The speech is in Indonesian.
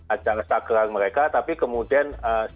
acara sakral mereka tapi kemudian